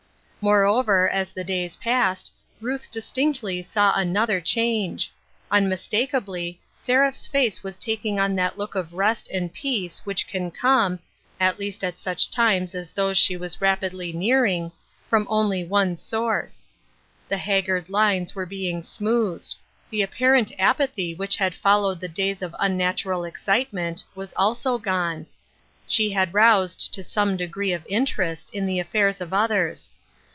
Moreover, as the days passed, Ruth distinctly saw another change ; unmistakably, Seraph's face was taking on that look of rest and peace which can come — at least at such times as those she was rapidly nearing — from only one source. The haggard lines were being smoothed ; the apparent apathy which had followed the days of unnatural excitement, was also gone ; she had roused to some degree of interest in the affairs of others.